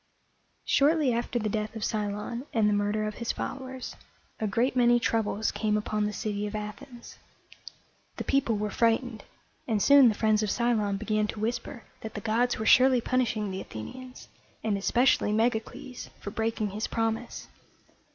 Shortly after the death of Cylon and the murder of his followers, a great many troubles came upon the city of Athens. The people were frightened, and soon the friends of Cylon began to whisper that the gods were surely punishing the Athenians, and especially Megacles, for breaking his promise.